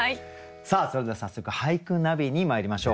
さあそれでは早速「俳句ナビ」にまいりましょう。